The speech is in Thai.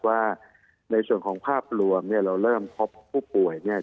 ว่าในส่วนของภาพรวมเนี่ยเราเริ่มพบผู้ป่วยเนี่ย